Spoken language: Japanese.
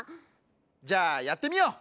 じゃあやってみよう！